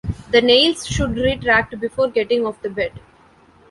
The nails should retract before getting off the bed.